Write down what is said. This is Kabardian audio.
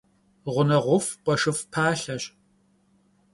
Ğuneğuf' — khueşşıf' palheş.